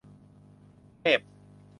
เมพ !